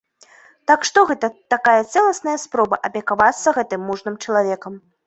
Так што гэта такая цэласная спроба апекавацца гэтым мужным чалавекам.